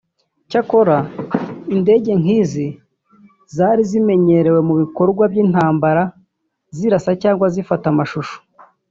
Cyakora indege nk’izi zari zimenyerewe mu bikorwa by’intambara zirasa cyangwa zifata amashusho